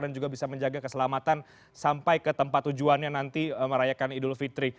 dan juga bisa menjaga keselamatan sampai ke tempat tujuannya nanti merayakan idul fitri